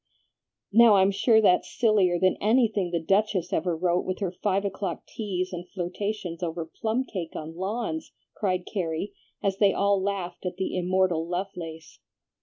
"Now, I'm sure that's sillier than anything the Duchess ever wrote with her five o'clock teas and flirtations over plum cake on lawns," cried Carrie, as they all laughed at the immortal Lovelace.